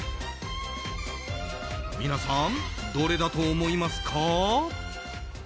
皆さん、どれだと思いますか？